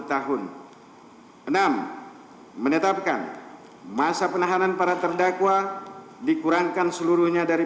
tiga menjatuhkan pidana kepada terdakwa dua subiharto